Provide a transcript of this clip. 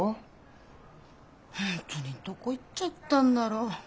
本当にどこ行っちゃったんだろ？